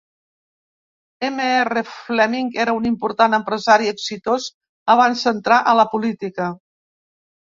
Mr. Fleming era un important empresari exitós abans d'entrar a la política.